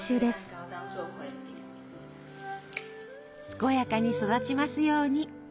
健やかに育ちますように。